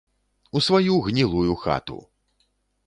У сваю гнілую хату!